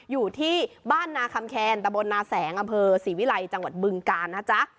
อยู่ที่บ้านนาคำแคนตะบลนาแสงอำเภอศรีวิลัยจังหวัดบึงกาลนะจ๊ะ